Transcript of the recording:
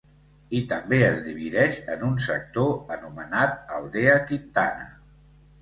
I també es divideix en un sector, anomenat Aldea Quintana.